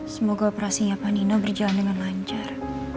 semoga operasinya panino berjalan dengan lancar